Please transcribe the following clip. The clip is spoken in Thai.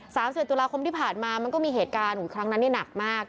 ๓ศูนย์ตุลาคมที่ผ่านมามันก็มีเหตุการณ์ของครั้งนั้นนี่หนักมาก